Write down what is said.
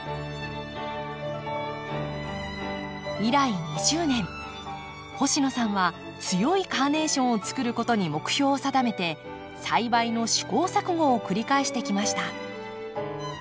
以来２０年星野さんは強いカーネーションをつくることに目標を定めて栽培の試行錯誤を繰り返してきました。